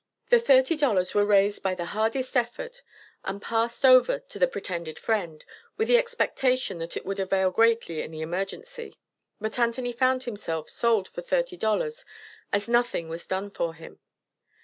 The thirty dollars were raised by the hardest effort and passed over to the pretended friend, with the expectation that it would avail greatly in the emergency. But Anthony found himself sold for thirty dollars, as nothing was done for him.